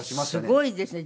すごいですね。